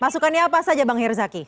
masukannya apa saja bang herzaki